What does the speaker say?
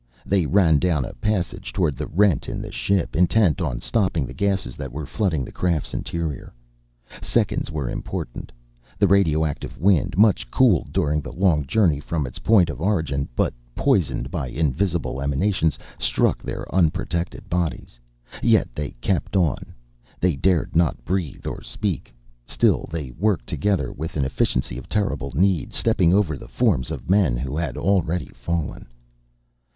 They ran down a passage toward the rent in the ship, intent on stopping the gases that were flooding the craft's interior. Seconds were important. The radioactive wind, much cooled during the long journey from its point of origin, but poisoned by invisible emanations, struck their unprotected bodies. Yet they kept on. They dared not breathe or speak; still they worked together with an efficiency of terrible need, stepping over the forms of men who had already fallen.